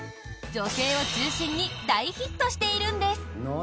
女性を中心に大ヒットしているんです！